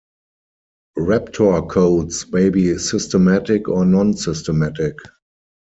Raptor codes may be systematic or non-systematic.